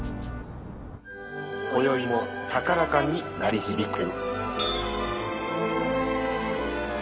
こよいも高らかに鳴り響く。